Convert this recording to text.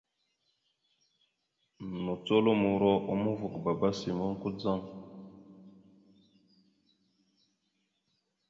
Nùcolomoro a uma ava ga baba simon.